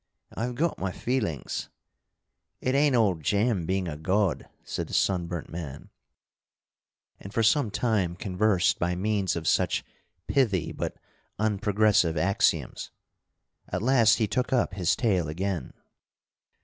I've got my feelings "It ain't all jam being a god," said the sunburnt man, and for some time conversed by means of such pithy but unprogressive axioms. At last he took up his tale again.